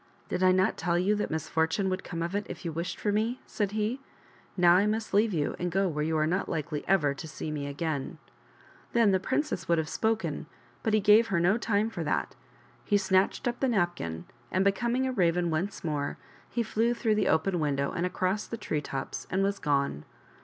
" Did I not tell you that misfortune would come of it if you wished for me ?" said he. " Now, I must leave you and go where you are not likely ever to see me again." Then the princess would have spoken, but he gave her no time for that. He snatched up the napkin, and, becoming a Raven once more, he flew through the open window and across the tree tops and was gone.